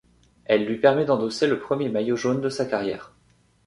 Elle lui permet d'endosser le premier maillot jaune de sa carrière.